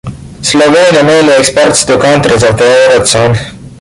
Slovenia mainly exports to countries of the eurozone.